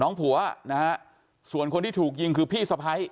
ผัวนะฮะส่วนคนที่ถูกยิงคือพี่สะพ้าย